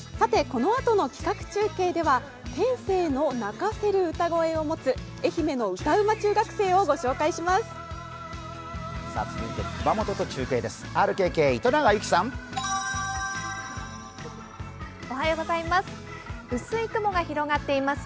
このあとの企画中継では天性の泣かせる歌声を持つ愛媛の歌うま中学生を御紹介します。